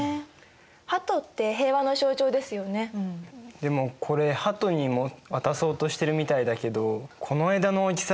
でもこれ鳩に渡そうとしてるみたいだけどこの枝の大きさじゃ飛べないよね。